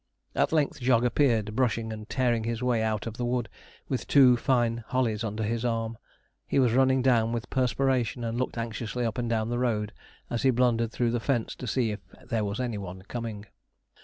At length Jog appeared brushing and tearing his way out of the wood, with two fine hollies under his arm. He was running down with perspiration, and looked anxiously up and down the road as he blundered through the fence to see if there was any one coming.